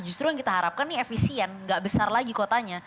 justru yang kita harapkan ini efisien nggak besar lagi kotanya